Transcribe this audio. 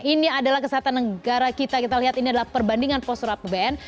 ini adalah kesehatan negara kita kita lihat ini adalah perbandingan postur apbn